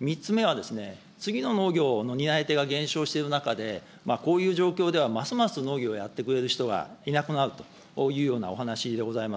３つ目は次の農業の担い手が減少している中で、こういう状況ではますます農業をやってくれる人はいなくなるというようなお話でございます。